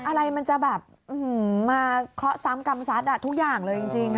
อะไรมันจะแบบมาเคราะห์ซ้ำกรรมซัดทุกอย่างเลยจริง